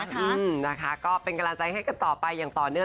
อืมนะคะก็เป็นกำลังใจให้กันต่อไปอย่างต่อเนื่อง